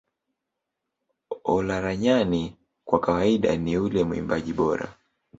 Olaranyani kwa kawaida ni yule mwimbaji bora